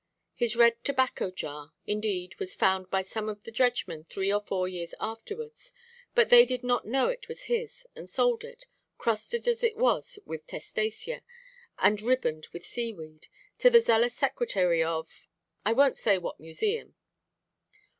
His red tobacco–jar, indeed, was found by some of the dredgemen three or four years afterwards, but they did not know it was his, and sold it—crusted as it was with testacea, and ribboned with sea–weed—to the zealous secretary of—I wonʼt say what museum.